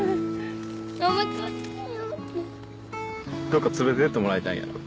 どっか連れてってもらいたいんやろ？